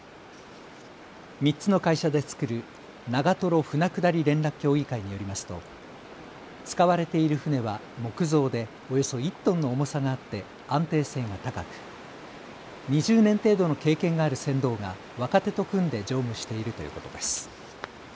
３つの会社で作る長瀞舟下り連絡協議会によりますと使われている舟は木造でおよそ１トンの重さがあって安定性が高く２０年程度の経験がある船頭が若手と組んで乗務しているということです。